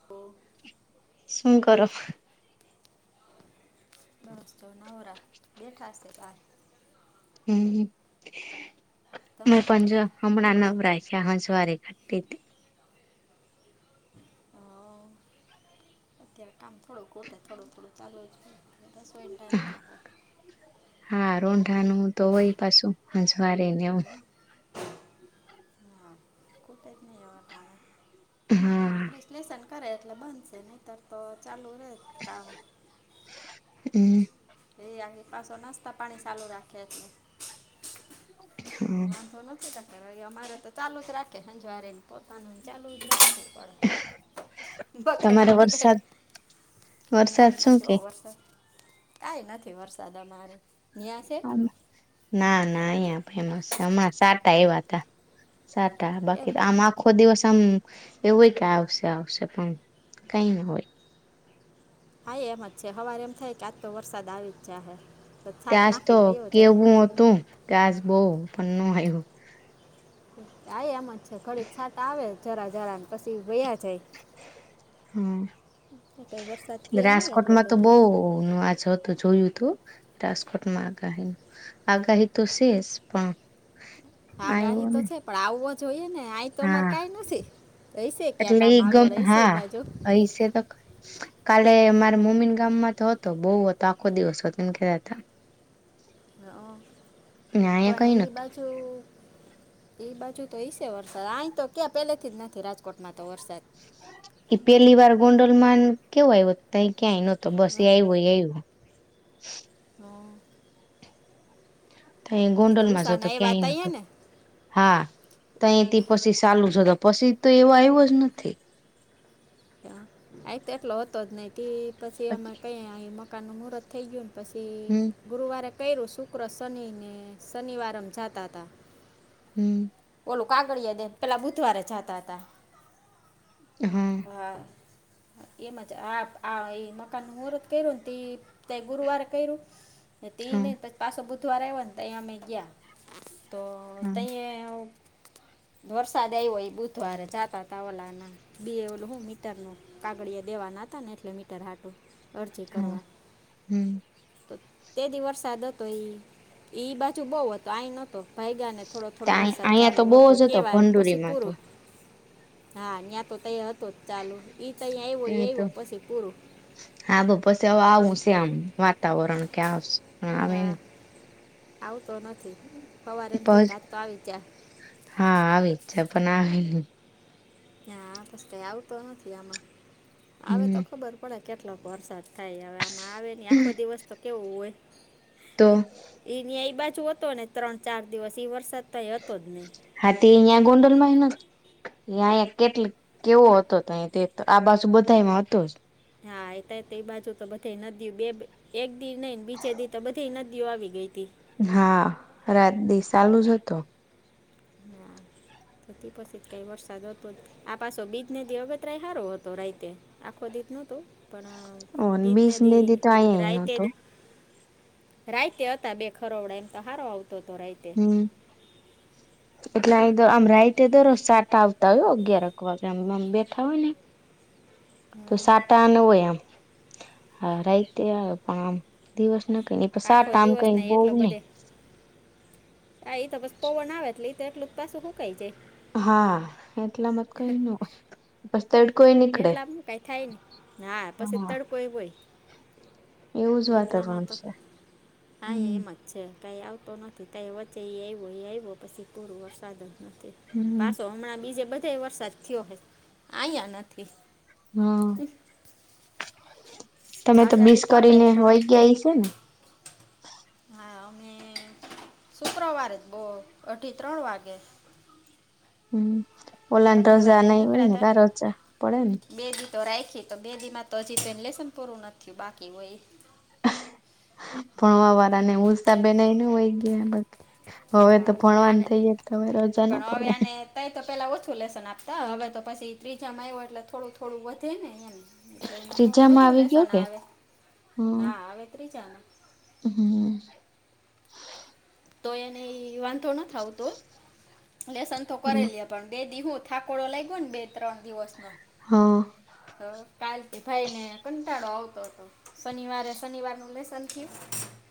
[unintelligible] શું કરો? બસ તો નવરા બેઠશે કલ હમ્મ તમ ને પંજા હમણા નવરા થયા [unintelligible] તી તી હા અત્યારે કામ થોડું ગોટે થોડું થોડું ચાલુ છું. બસ વાઇ ટાઈમ થાય. હા રોઢા નું તો હોય પાછું સંજવારીને એવુ. કોઈ ટાઈપ ની આવે હા ત્યાંને [unintelligible] લેસન કરે એટલે બંધશે નહીતર તો ચાલુ રહે જ કામ. હમ્મ. એ આખી પાછો નાસ્તા પાણી ચાલુ રાખે છે. વાંધો નથી તમતારે તો ચાલુ જ રાખે સંજવારી ને પોતાનું ચાલુ જ રાખે [unintelligible] તમારે બખેડા વરસાદ બખેડા વરસાદ શું કે? કઈ નથી વરસાદ અમારે ન્યાં છે? ના ના અહીયાં ફેમસ હમણાં સાટા આયવા તા સાટા એમ બાકી આમાં આખો દિવસ આમ એવું હોય કે આવશે આવશે પણ કઈ ના હોય. હા એ એમ જ છે હવાર એમ થાય કે આજ તો વરસાદ આવી જ જાહે. તો છાંટ ત્યા તો નાખીને વયો કેવું તું ત્યા બો પણ નો આયવો. આ એમ જ છે ઘડી છાટ આવે જરા જરા ને પછી વયા જાય. હમ કંઈ વરસાદ એ છે નહીં એટલો રાજકોટમાં તો બધો બહુ ન આજ હતો. તો જોયું તું રાજકોટમાં આગાહી. આગાહી તો શેસ પણ. આગાહી આવ્યો તો ને છે પણ આવવો જોઈએ ને આ તમારે હા કઈ નથી હયશે ક્યાં કામ આગળ હયશે એ બાજુ. અહી સેતો. કાલે મારા મમ્મીને ગામમાં તો હતો બહુ હતો આખો દિવસ હતો એને કેતા હતા. હ હતા અહીંયા પણ કઈ એ નતું બાજુ એ બાજુ તો એઈ છે, વરસાદ આહી તો ક્યાં પેલેથી જ નથી રાજકોટમાં તો વરસાદ, એ પેલી વાર ગોંડલમાંન કેવો આવ તય ક્યાંય નતો બસ એ હં. આપવો ઈ આયવો હમ એ તો ગોંડલ માં જ હતો ઉષાના એવા ક્યાંય તઈએ નતો. ને હા તો અહીથી પછી ચાલુ છે તો પછી તો એવો આવ્યો જ નથી. આ તો એટલો હતો જ નહિ પછી અમે કયે આયા મકાન નુ મુહૂર્ત થઈ ગયું ને. પછી હમ ગુરુવારે કર્યું શુક્ર શનિને શનિવાર અમે જાતા હતા. હમ ઓલું કાગળિયા દે પેલા બુધવારે જાતા હતા. હા. હા. એમ જ આ આ મકાનનું મુહૂર્ત કર્યું ને ત ગુરુવારે કર્યું. તે હા નહી પછી પાછો બુધવારે આવ્યો ને તો અહીંયા અમે ગયા તો હા તહીંયા. વરસાદ આવ હોય બુધવારે જાતા તાવલા ના બી એલું હું મીટર ન આાગળ દેવાના હતા ને એટલે મીટર હાટું. અરજી હા કરવા. હમ તો તેથી વરસાદ હતો ઈ બાજુ બહુ હતો આઈ નોતો. ભાઈગા ને થોડો થોડો વરસાદ અહિયાં તો ચાલુ બહુ હતો જ કેવાય પછી ભંડુરીમાં તો પૂરું, હા યાં તો ત એ હતો. ચાલો એ ત અહીંયા તે આવ્યોય એ તો આવ્યો પછી પૂરું. હા બ પછી હ આવું છે પછી આમ વાતાવરણ કે આવ પણ આવે હા ને આવતો નથી સવાર એમ થઈ પછ કાજ તો આવી જાય હા આવેવેચચ પણ આવે હ આ પ આવતો નથી આમાં આવે તો હમ ખબર પડે કેટલો વરસાદ, થાય હવે આમાં આવે નને આખો દિવસ તો કેવું હોય. તો. એ ન્યા એ બાજુ હતો ને ત્રણ ચાર દિવસ એ વરસાદ તો હતો જ નઈ. હા તે અહીંયા ગોંડલમાં ન એ અહીયાયા કેટલી કેવો હતો અહી આ બાજુ બધામાં હતો જ હા એત્યા તે બાજુ તો બધે નદી બે એક દી નહી ને બીજે દી તો બધી નદીઓ આવી ગઈ તી હા આત દ ચાલુ જ હતો. ના અતી પછીત કરી વરસાદ હતો. આ પાછો બીજ ન દિ અવેતરાય સારો હતો રાઈતે આખો દીજ ન હતું. પણ બીજ બીસ ને દી તો અહીયા રાયતે નતો રાઈતે હતા બે ખરોવડા એમ તો હારો આવતો હતો રાય હમ. એટલે અ તો આમ રાઈટે દરસ સાટ આવતા હોય અગિયારક વાગેમ બેઠા હોય ને [inaudible] [unintelligible] તો હમ. સાટા ન હોય આમ હા રાઈતે આવ આમ. દિવસ ના કઈ સાત આખો આમ દિવસ કઈ એટલો બોવુ ને. બધે આ ઇ ત બસ પોવન આવેટલી તો એટલું જ પાછું શું કઈ જાય. હા એટલા માં કઈ નોય બસ તડકોય. નીકળે એટલામને કાઈ થાય નને હા પછી તડકો એ હોય. એવું જ લેટલામાં વાતાવરણ તો છે હા હમ એમજ. છે કાંઈ આવતો નથી તઈ વચે એ આવ્યો એ આવ્યો પછી પૂરું વરસાદ જ નથી. હમ પાછો હમણાં બીજે બધા વરસાદ થયો હે આયા નથી. હમ તમે તો આગાહી બીસ આપે કરીને છે પણ હોઈ ગય છે ને. હા અમે શુક્રવારે જ બહુ અઢી ત્રણ વાગે. હમ ઓલાને અઢી રજા વાગે ન હોય નીકળ્યા ને ત હતા રજા પડે ને બે દી તો રાયખી તો બેદીમાં તો હજી તો ને લેશન પૂરું નથી થિયું બાકી હોય. ભણવા વાળાને ઉસ્તા બેના ન હોય ગયા બ હવે તો અ, ભણવાન થઈએે તો હવે રજા ના પડે. ન‌ઇ તો પેલા ઓછુ લેશન આપતા હવે તો પછી ત્રીજા માં આવું એટલે થોડું થોડું વધે ને એમ. એટલે એ બ‌ઉ ત્રીજામાં વધુ આવી ગયો લેશન કે આવે હમ હા આવે ત્રીજા માં. હમ. તો એને ઇ વાંધો ન આવતો લેસન તો કરેલી પણ બે દીહું થાકોડો લાગ ગ્યો ને બે ત્રણ દિવસનો. હા. હ કાલતી ભાઈ ને કંટાળો આવતો હતો. શનિવારે શનિવાર નું લેસન થયું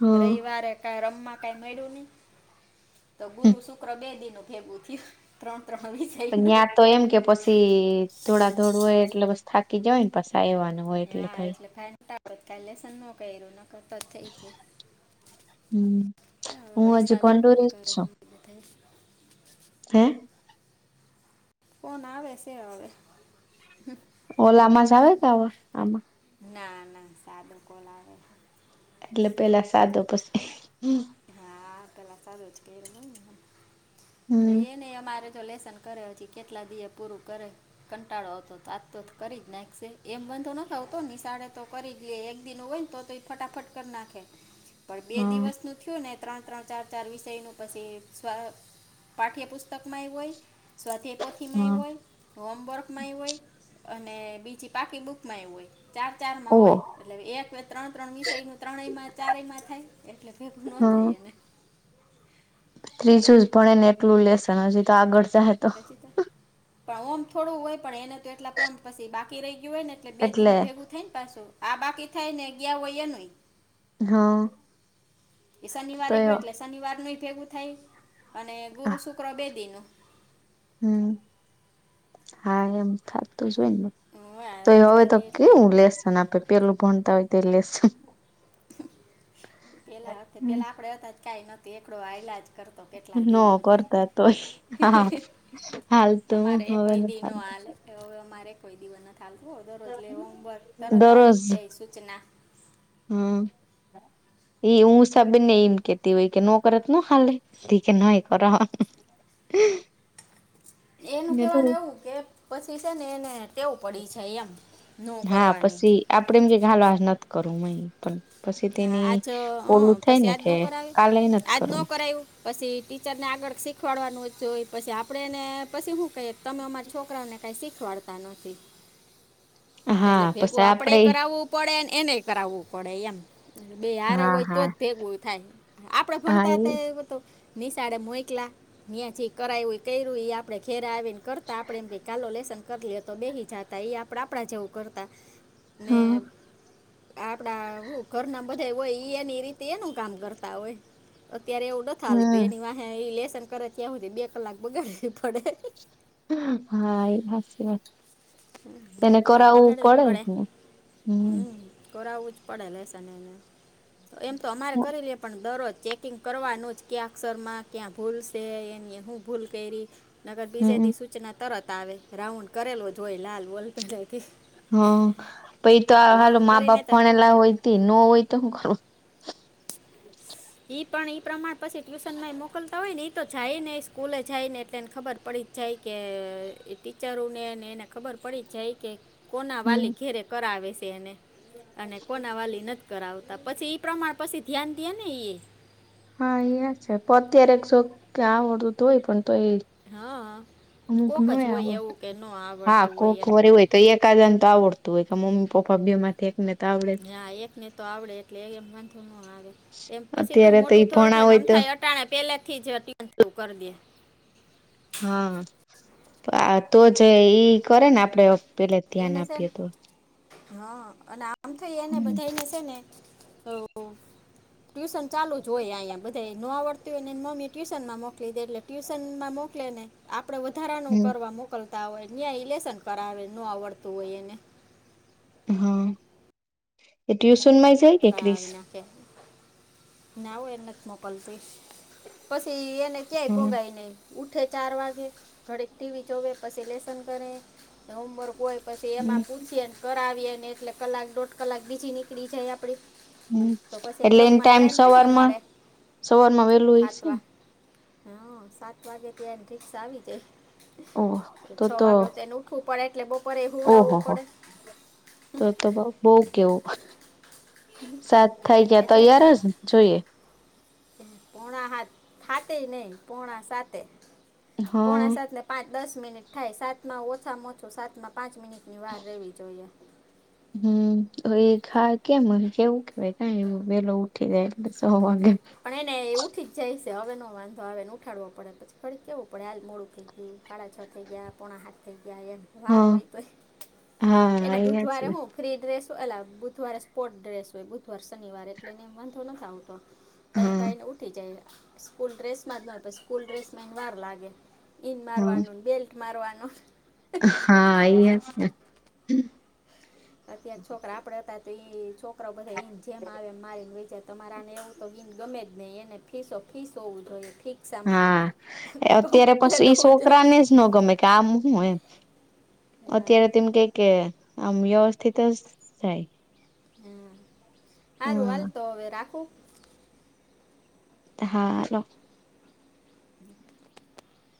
હા રવિવારે કઈ રમવા કઈ મેળ્યુ નહી. તો ગુરુ શુક્ર બે દિ નુ ભેગું થયું ત્રણ ત્રણ વિષય પણ નું. ત્યાં તો એમ કે પછી ધોડાધોડું હોય એટલે બસ થાકી જવાય ને પછા એવાના. હા એટલે ફાઈડ [inaudible] લેસન નો કયરું ન કરતો જ થઇ જાય. હું આજે વૈશાલી ફોન ભંડોરે છું. [unintelligible] હે. ફોન આવે સે હવે. ઓલામાં જાવે ટાવર આમાં. ના ના સાદો કોલ આવે. એટલે પેલા સાદો પછી. હા પેલા સાદો ઘેર હોએ ને હમ ઇ ને અમારે. તો લેશન કર્યો હજી કેટલા દિએ પૂરું કરે. કંટાળો આવતો તો આજ તો કરી જ નાખશે એમ વાધો નોતો આવતો નિશાળે તો કરી જ લે એક દિ નો હોય તો. તો ઇ ફટાફટ કરી નાખે પણ બે હા દિવસનું થિવુ ને ત્રણ ત્રણ ચાર ચાર વિષય નું પછી સ્વ પાઠ્યપુસ્તકમાં એવું હોય. સ્વાધાય પોથીમાં હા એવું હોય. હોમવર્કમાં એવું હોય અને બીજી પાકી બુકમાંય હોય. ચાર ચાર માં હોય ઓહ એટલે એક ત્રણ ત્રણ વિષયનું ત્રણેય માં ચારયમાં થાય એટલે. નો હા થાય એને. ત્રીજું જ ભણે ને એટલું લેશેન હજી તો આગળ જાહે તો પછી તો પણ ઓમ થોડું હોય પણ એને તો એટલા પ્રમ પછી બાકી રહી ગયું હોય ને એટલે બે દિનું ભેગું થઈ ને પાછું આ બાકી થાય ને ગયા હોય એ નહી. હા. એ તો શનિવારે એ ગયો એટલે શનિવાર નય ભેગું થાય અને ગુરુ શુક્ર બે દી નુ. હમ હા એમ થાતું જ હોય ને. હા તો એ હવે એટલા તો દી એટલે એમ કેવું લેસન આપે પેલું ભણતા હોય તો એ લેસન પેલા પેલા આપડે હતા જ કઈ ન એકડો આયલા જ કરતો કેટલા ન [unintelligible] હાલ અમારે એ કોઈ દી ન હાલે એ હવે અમારે કોઈ દિવસ ન ચાલતું હો દરરોજલે હોમવર્ક તરત આવી જ જાય સૂચના. હા. એ હું સ બને એમ કેતી હોય કે નો કરેત નો હાલે દી કે નય કર હો એનું કેવાનું એવું કે પસી સે ને એને ટેવ પડી છે એમ ન કરવાની. આપણે એમ કે હાલો આજ નથી કરવુ એમ પણ પછી હા તેની આજ હ ઓલું થાય પસી ને આજ કે ન કરાવી કાલે નથ આજ ન કરવું કરાયું પસી ટીચરને આગળ શીખવાડવાનું હોય પસી આપણેને પસી હું કહીએ તમે અમારા છોકરાઓને કાંઈ શીખવાડતા નથી. એટલે હા પછી ભેગું આપણેે આપડે કરાવવું પડેને એને કરાવવું પડે એમ. બે હારે હા હોય તો હા જ ભેગું થાય આપડે ભણતા હતા એ બ તો નિશાળે મોયકલા ન્યા જે કરાયું કર્યું એ આપડે ઘેરા આવીને કરતા આપડે એમકે ચાલો લેશન કર લ્યો તો બેહિ જાતા એ આપણા આપણા જેવું કરતા ને હા આપણા હું ઘર ના બધા હોય ને રીતે એનું કામ કરતા હોય અત્યારે એવું નથ હાલતું હમ એની વાત હા એ લેેશન કરે ત્યા હુધી બે કલાક બગડવી પડે. હા એ હાચી વાત બે એને કલાલ કરાવવું બગાડવી જ પડે ને હમ હમ્મ કરાવવું જ પડે લેશેન એને એમ તો અમારે કરી લેએ પણ દરરોજ ચે કિંગ કરવાનું જ ક્યાં અક્ષર માં ક્યાં ભૂલ છે એની હું ભૂલ કરી નગર બીજે હમ દી સૂચના તરત આવે રાઉન્ડ કરેલુ જ હોય લાલ બોલપેનેથી હા પહિ તો હાલો મા કરીને બાપ તો ભણેલા હોય ત ન હોય તો હું કરવું ઈ પણ ઈ પ્રમાણ પછી ટ્યુશન માં એ મોકલતા હોય ને તો જાય ને સ્કૂલે જાય ને એટલેને ખબર પડી જ જાય કે ટીચરો નોને એને ખબર પડી જાય કે કોના હમ વાલી ઘેરે કરાવે સે એને અને કોના વાલી નથી કરાવતા પછી એ પ્રમાણે પછી ધ્યાન દઈએ ને ઈ હા ઇયા જ છે [unintelligible] હા અમુક કોક જ નોય હોય આવડતું એવું કે ન હા આવડતું હોય કોક એમ વાર એવું હોય તો એકાદન તો આવડતું હોય કે મમ્મી પપ્પા બે માંથી એક હા એક ને તો આવડે એટલે એમ વાંધો ન આવે. હા એમ પસી તું અત્યારે તો મોટું ઈ થોડું ભણા થાય હોય નમ તો થાય અટાણ પેલા થી જ અટું કરી દે હા તો જે ઈ કરે ને આપડે પેલે ધ્યાન એને છે આપીએ તો હા અને આમ થઈ એને હમ બધાને છે ને [unintelligible] ટ્યુશન ચાલુ જ હોય અહીંયા બધા નો આવડત હોય એને મમ્મી ટ્યુશનમાં મોકલી દે એટલે ટ્યૂશનમાં મોકલે ને આપણે વધારાનું હમ કરવા મોકલતા હોય ન્યા ઇલેશન કરાવે ન આવડતું હોય એને હા એ ટ્યુશન માં આવી નાખે ના હો એને નથ મોકલતી પસી કે આપયો હમ ગાય ને ઉઠે ચાર વાગે થોડીક ટીવી જોવે પછી લેસન કરે હોમવર્ક હોય પછી એમાં હમ પૂછીએ ને કર આવીએ ને એટલે કલાક દોઢ કલાક બીજી નીકળી જાય આપડી તો પસી એટલે એન રમવાના ટાઈમ કયે સવારમાં મડે સવારમાં વેલું હોય છે હાતવા ને હા સાત વાગે તેની રીક્ષા આવી ઓહ જાય છ વાગે તે એનું ઉપાડા એટલે બહું ઓહ હો હો તો તો બહુ કેવું સાત થાય ત્યાં એટલે તૈયાર જ જોઈએ પોણા હાત હાતે નહી પોણા સાતે હા પોણા સાતને પાંચ દસ મિનિટ થાય સાતમાં ઓછામાં ઓછું સાતમાં પાંચ મિનિટની વાર રહેવી જોઈએ હમ એ ખા કેમ કેવું કેવાય કાઇ વેલો ઉઠી જાય એટલે સો વાગે પણ એને એ ઉઠી જાય છે હવે ન વાંધો આવે ને ઉઠાડવો પડે પછી ખરી કેવું પડે હાલ મોડું થઈ સાડા છ થઈ ગયા પોણા સાત થઈ ગયા એમ વાર હા હોય તોય હા એને અયા છે બુધવારે હું ફ્રી ડ્રેસ હોય એલા બુધવારે સ્પોર્ટ ડ્રેસ હોય બુધવાર શનિવાર એટલે એને વાંધો નથ આવતો તહીયા હા ભાઈ ને ઉઠી જાય સ્કૂલ ડ્રેસમાં જ ન હોય સ્કૂલ ડ્રેસ માં એને વાર લાગે ઈન હા મારવાનું બેલ્ટ મારવાનું હા એ જ ને અત્યારે છોકરા આપડે હતા તય એ છોકરા છોકરાઓ બધા ઈન જેમ આવે એમ મારીને વય જાય તમારાને એવું તો ઈન ગમે જ નહીં એને ફીસો ફીસો ઉથાયો ઠીક હા અત્યારે પણ ઈ હોવું જોઈએ છોકરા ને જ ન ગમે કે આમ હું એમ હા. અત્યારે એમ કે કે આમ વ્યવસ્થિત જ જાય હમ સારું હાલ તો હવે રાખું હા બોલો હ